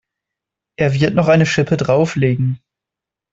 Er wird noch eine Schippe drauflegen.